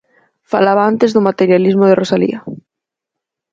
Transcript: Falaba antes do materialismo de Rosalía.